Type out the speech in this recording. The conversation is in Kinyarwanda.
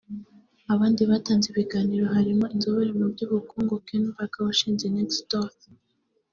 Abandi batanze ibiganiro harimo inzobere mu by’ubukungu Ken Parker washinze NextThought